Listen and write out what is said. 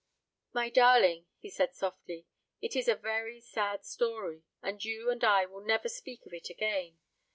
"My darling," he said softly, "it is a very sad story, and you and I will never speak of it again.